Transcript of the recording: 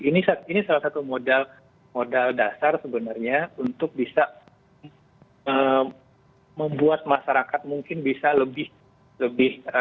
ini salah satu modal dasar sebenarnya untuk bisa membuat masyarakat mungkin bisa lebih